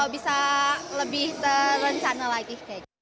bisa lebih terencana lagi